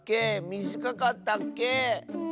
みじかかったっけ？